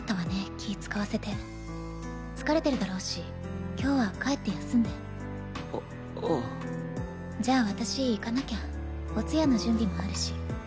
気遣わせて疲れてるだろうし今日は帰って休んであああじゃあ私行かなきゃお通夜の準備もあるし